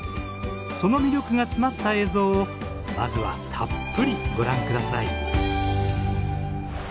その魅力が詰まった映像をまずはたっぷりご覧ください。